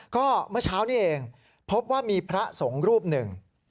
ก็เมื่อเช้านี้เองพบว่ามีพระสงฆ์รูปหนึ่ง